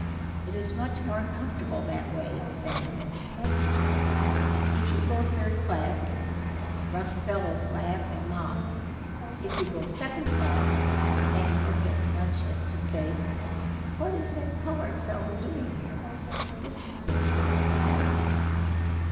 "It is much more comfortable that way than as a passenger. If you go third class, rough fellows laugh and mock; if you go second class, men look as much as to say, 'What is that colored fellow doing here? This is no place for him.'